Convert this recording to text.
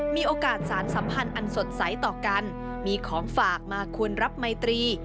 มีโอกาสสารสัมพันธ์อันสดใสต่อกันมีของฝากมาควรรับไมตรี